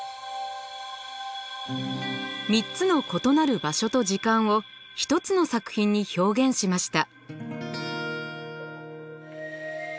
３つの異なる場所と時間を一つの作品に表現しました。